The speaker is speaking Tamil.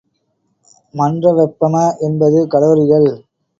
மன்ற வெப்பம எண்பது கலோரிகள்.